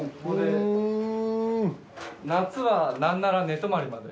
夏はなんなら寝泊まりまで。